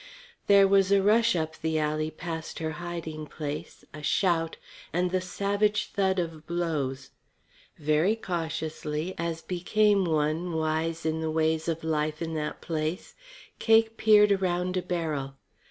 There was a rush up the alley past her hiding place, a shout, and the savage thud of blows. Very cautiously, as became one wise in the ways of life in that place, Cake peered around a barrel.